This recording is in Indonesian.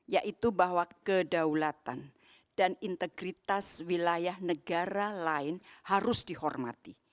yaitu bahwa kedaulatan dan integritas wilayah negara lain harus dihormati